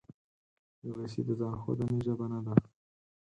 انګلیسي د ځان ښودنې ژبه نه ده